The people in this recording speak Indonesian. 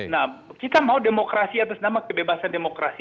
nah kita mau demokrasi atas nama kebebasan demokrasi